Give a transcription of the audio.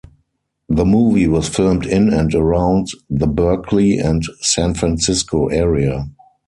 The movie was filmed in and around the Berkeley and San Francisco area.